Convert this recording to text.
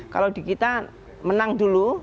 kalau di kita menang dulu